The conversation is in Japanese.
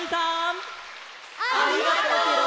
ありがとう！